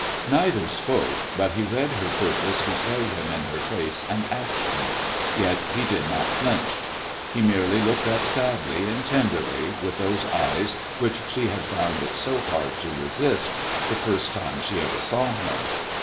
Neither spoke, but he read her purpose to slay him in her face and action; yet he did not flinch. He merely looked up sadly and tenderly with those eyes which she had found it so hard to resist, the first time she ever saw him.